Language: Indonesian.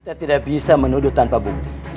kita tidak bisa menuduh tanpa bukti